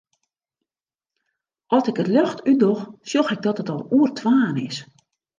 At ik it ljocht útdoch, sjoch ik dat it al oer twaen is.